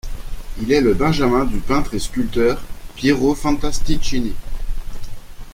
Il est le benjamin du peintre et sculpteur Piero Fantastichini.